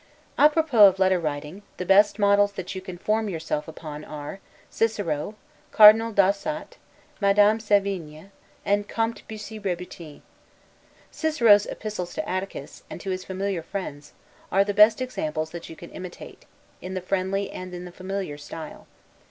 'A propos' of letter writing, the best models that you can form yourself upon are, Cicero, Cardinal d'Ossat, Madame Sevigne, and Comte Bussy Rebutin. Cicero's Epistles to Atticus, and to his familiar friends, are the best examples that you can imitate, in the friendly and the familiar style.